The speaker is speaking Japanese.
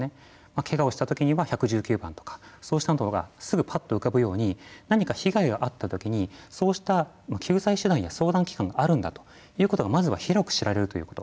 けがをしたときには１１９番とかそうしたことがすぐぱっと浮かぶように何か被害に遭ったときにそうした救済手段や相談機関があるんだということがまずは広く知られるということ。